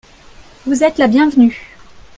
Vous êtes la bienvenue.